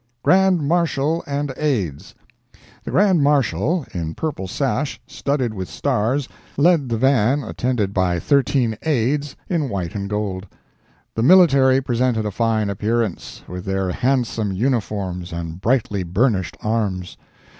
GRAND MARSHAL AND AIDS.—The Grand Marshal, in purple sash, studded with stars, led the van, attended by thirteen Aids, in white and gold... The military presented a fine appearance, with their handsome uniforms and brightly burnished arms.